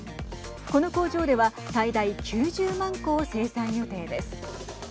この工場では最大９０万個を生産予定です。